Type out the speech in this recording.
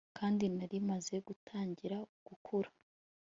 Kandi nari maze gutangira gukura